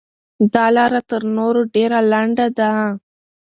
دا لاره تر نورو ډېره لنډه ده.